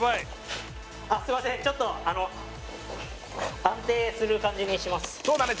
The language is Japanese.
すみませんちょっと安定する感じにしますそうだね